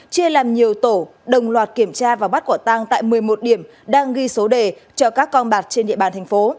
chia làm nhiều tổ đồng loạt kiểm tra và bắt quả tăng tại một mươi một điểm đang ghi số đề cho các con bạc trên địa bàn thành phố